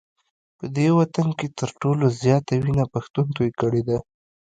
په دې وطن کي تر ټولو زیاته وینه پښتون توی کړې ده